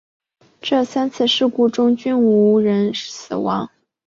这三次事故中均无人死亡。